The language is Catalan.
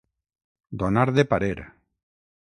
Donar de parer.